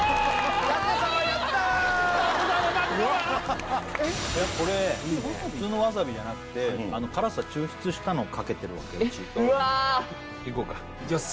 舘様やったー舘様舘様これ普通のわさびじゃなくて辛さ抽出したのかけてるわけうわー・いこうかいきます